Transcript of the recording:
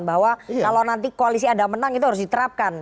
bahwa kalau nanti koalisi ada menang itu harus diterapkan